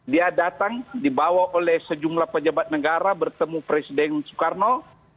dia datang dibawa oleh sejumlah pejabat negara bertemu presiden soekarno